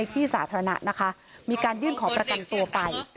ที่สาธารณะนะคะมีการยื่นขอประกันตัวไป